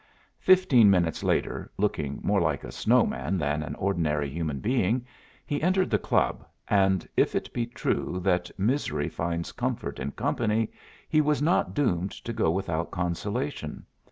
Fifteen minutes later, looking more like a snowman than an ordinary human being, he entered the club, and, if it be true that misery finds comfort in company, he was not doomed to go without consolation.